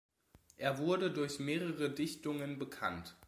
Er wurde durch mehrere Dichtungen bekannt.